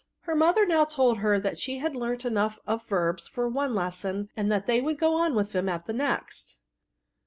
*' Her mother now told her, she had learnt enough of verbs for one lesson, and that they would go on with them at the next.